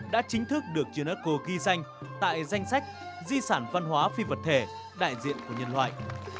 đã chính thức được unesco ghi danh tại danh sách di sản văn hóa phi vật thể đại diện của nhân loại